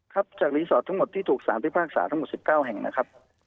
ครับจากรีสอร์ททั้งหมดที่ถูกสารพิพากษาทั้งหมด๑๙แห่งนะครับ